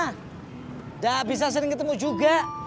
tidak bisa sering ketemu juga